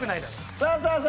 さあさあさあ